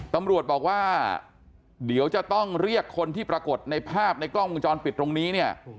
ตำรวจบอกว่าเดี๋ยวจะต้องเรียกคนที่ปรากฏในภาพในกล้องวงจรปิดตรงนี้เนี่ย